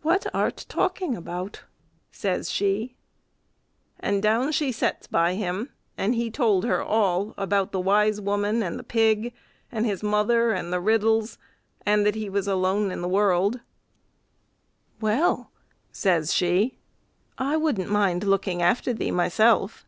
"What art talking about?" says she. And down she sets by him, and he told her all about the wise woman and the pig, and his mother and the riddles, and that he was alone in the world. "Well," says she, "I wouldn't mind looking after thee myself."